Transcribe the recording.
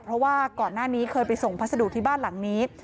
เพราะว่าก่อนหน้านี้เคยไปส่งพัสดุที่บ้านหลังนี้